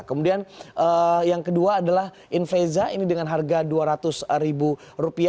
kemudian yang kedua adalah influza ini dengan harga rp dua ratus